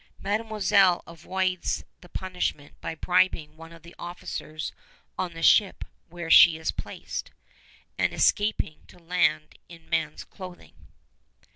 Mademoiselle avoids the punishment by bribing one of the officers on the ship where she is placed, and escaping to land in man's clothing.